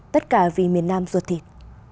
tất cả vì miền nam ruột thịt